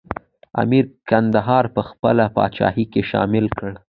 امیر کندهار په خپله پاچاهۍ کې شامل کړ.